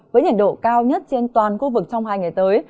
với nhiệt độ cao nhất trên toàn khu vực trong hai ngày tới